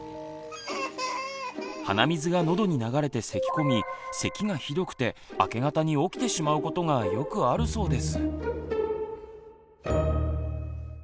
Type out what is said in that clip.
鼻水がのどに流れてせきこみせきがひどくて明け方に起きてしまうことがよくあるそうです。